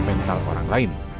mental orang lain